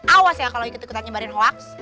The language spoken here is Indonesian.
awas ya kalau ikut ikutan nyebarin hoax